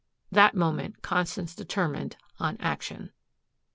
That moment Constance determined on action.